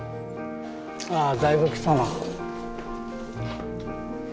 ああだいぶ来たな。